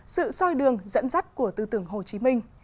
sự soi đường dẫn dắt của tư tưởng hồ chí minh